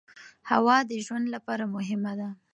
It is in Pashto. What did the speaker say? هوا د ژوند لپاره مهمه ده.